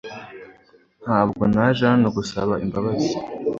Ntabwo naje hano gusaba imbabazi .